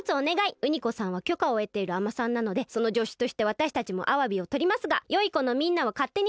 ウニコさんはきょかをえているあまさんなのでそのじょしゅとしてわたしたちもアワビをとりますがよいこのみんなはかってにとっちゃダメだよ！